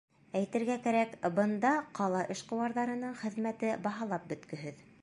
Әйтергә кәрәк, бында ҡала эшҡыуарҙарының хеҙмәте баһалап бөткөһөҙ.